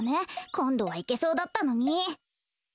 こんどはいけそうだったのに。